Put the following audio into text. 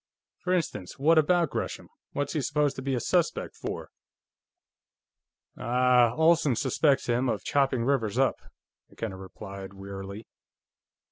"For instance, what about Gresham? What's he supposed to be a suspect for?" "Ah, Olsen suspects him of chopping Rivers up," McKenna replied wearily.